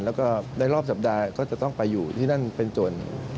แล้วก็ในรอบสัปดาห์ก็จะต้องไปอยู่ที่นั่นเป็นส่วน